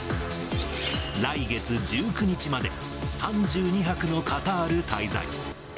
来月１９日まで、３２泊のカタール滞在。